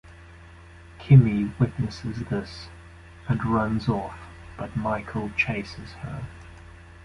Kimmy witnesses this, and runs off, but Michael chases her.